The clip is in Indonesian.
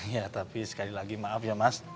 ya tapi sekali lagi maaf ya mas